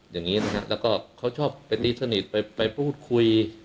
อย่างนี้นะฮะแล้วก็เขาชอบไปตีสนิทไปพูดคุย